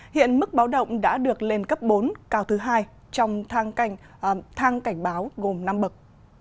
hiện mức báo động đã được lên cấp bốn cao thứ hai trong thang cảnh báo gồm năm bậc